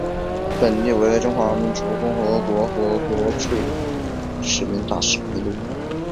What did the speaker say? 本列表为中华民国及中华人民共和国驻博茨瓦纳历任大使名录。